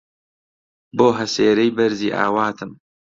بۆ هەسێرەی بەرزی ئاواتم